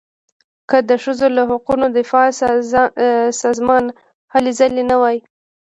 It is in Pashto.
که د ښځو له حقونو دفاع سازمان هلې ځلې نه وای.